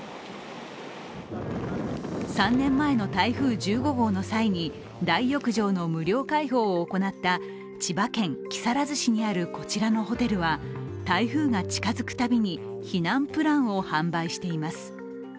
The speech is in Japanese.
３年前の台風１５号の際に、大浴場の無料開放を行った千葉県木更津市にあるこちらのホテルは台風が近づくたびに避難プランを販売しています。